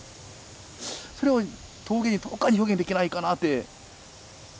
それを陶芸にどっかに表現できないかなって。